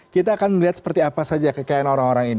kita akan melihat seperti apa saja kekayaan orang orang ini